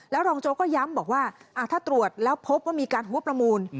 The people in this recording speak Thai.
รองโจ๊กก็ย้ำบอกว่าถ้าตรวจแล้วพบว่ามีการหัวประมูล